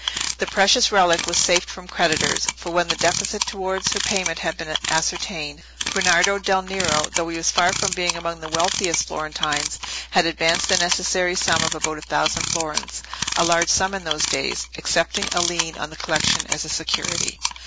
The precious relic was safe from creditors, for when the deficit towards their payment had been ascertained, Bernardo del Nero, though he was far from being among the wealthiest Florentines, had advanced the necessary sum of about a thousand florins—a large sum in those days—accepting a lien on the collection as a security.